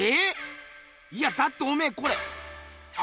いやだっておめえこれああ？